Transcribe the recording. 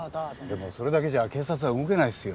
でもそれだけじゃ警察は動けないっすよ。